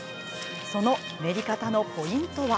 その練り方のポイントは。